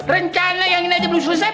rencana yang ini aja belum selesai